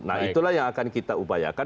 nah itulah yang akan kita upayakan